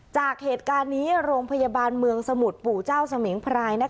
จากเหตุการณ์นี้โรงพยาบาลเมืองสมุทรปู่เจ้าสมิงพราย